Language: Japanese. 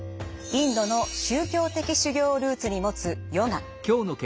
インドの宗教的修行をルーツに持つヨガ。